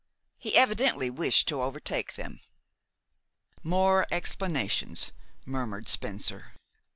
He evidently wished to overtake them. "More explanations," murmured Spencer.